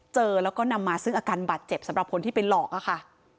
เจอแล้วก็นำมาซึ่งอาการบาดเจ็บสำหรับคนที่ไปหลอกอะค่ะ